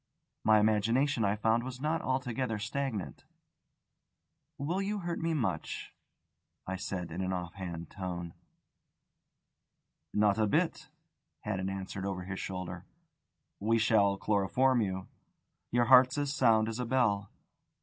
My imagination, I found, was not altogether stagnant. "Will you hurt me much?" I said in an off hand tone. "Not a bit," Haddon answered over his shoulder. "We shall chloroform you. Your heart's as sound as a bell."